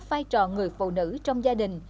phai trò người phụ nữ trong gia đình